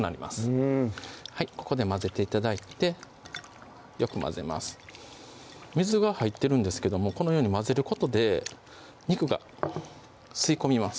うんここで混ぜて頂いてよく混ぜます水が入ってるんですけどもこのように混ぜることで肉が吸い込みます